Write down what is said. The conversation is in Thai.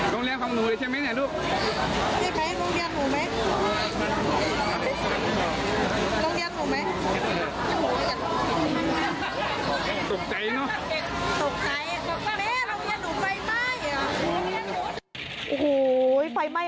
โรงเรียนหนูไหมตกใจเนอะโรงเรียนหนูไปไหม